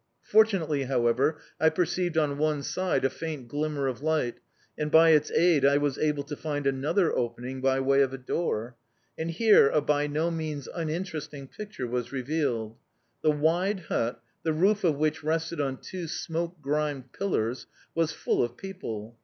Fortunately, however, I perceived on one side a faint glimmer of light, and by its aid I was able to find another opening by way of a door. And here a by no means uninteresting picture was revealed. The wide hut, the roof of which rested on two smoke grimed pillars, was full of people.